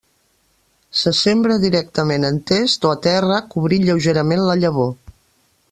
Se sembra directament en test o a terra, cobrint lleugerament la llavor.